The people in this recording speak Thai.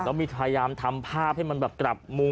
แล้วมีพยายามทำภาพให้มันแบบกลับมุม